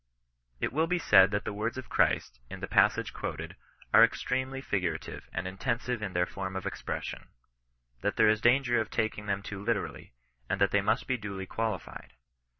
It will be said that the words of Christ, in the passage quoted, are extremely figurative and intensive in their form of expression ; that there is danger of taking them too literally ; and that they must be duly qualified.